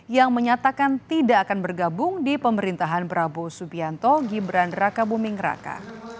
yang menyatakan tidak akan bergabung di pemerintahan prabowo subianto gibran raka buming raka